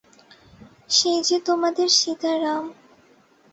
সেই যে তােমাদের সীতারাম।